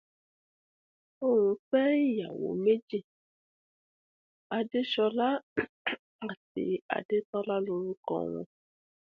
The word -holm stands for little island.